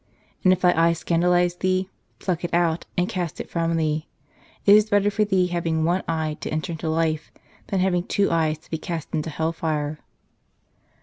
And if thy eye scandalize thee, pluck it out, and cast it from thee. It is better for thee having one eye to enter into life than having two eyes to be cast into hell fire."